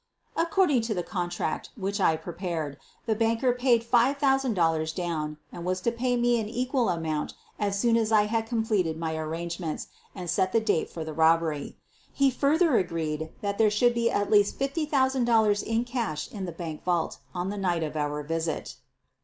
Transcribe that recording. According to the contract which I prepared, the 130 SOPHIE LYONS banker paid five thousand dollars down and was to pay me an equal amount as soon as I had completed my arrangements and set the date for the robbery. He further agreed that there should be at least $50,000 in cash in the bank vault on the night of our visit.